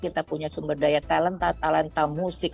kita punya sumber daya talenta talenta musik